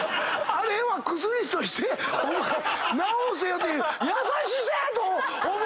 あれは薬として治せよという優しさやと思うけど。